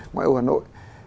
ngoài âu hà nội